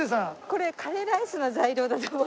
これカレーライスの材料だと思って。